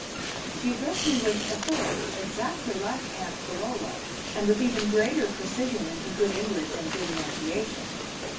She addressed me with authority, exactly like Aunt Carola, and with even greater precision in her good English and good enunciation.